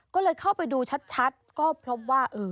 ก็เลยเข้าไปดูชัดก็พบว่า